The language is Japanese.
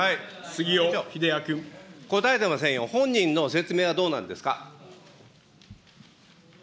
答えてませんよ、本人の説明はどうなんですか。